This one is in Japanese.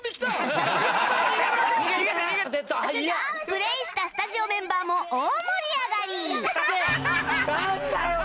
プレーしたスタジオメンバーも大盛り上がりなんだよ！